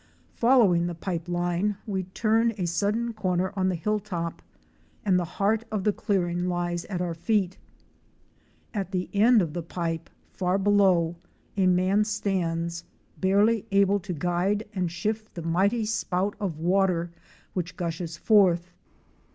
Following the pipe line we turn a sudden corner on the hill top and the heart of the clearing lies at our feet. At the end of the pipe, far below, a man stands, barely able to guide and shift the mighty spout of water which gushes forth.